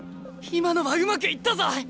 今のはうまくいったぞ！